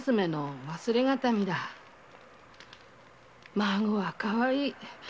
孫はかわいい。